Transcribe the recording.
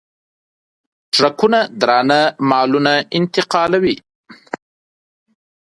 ټرکونه درانه مالونه انتقالوي.